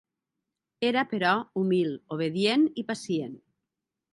Era, però, humil, obedient i pacient.